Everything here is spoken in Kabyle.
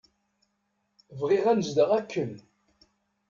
Bɣiɣ anezdeɣ akken.